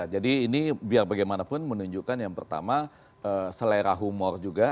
jadi ini biar bagaimanapun menunjukkan yang pertama selera humor juga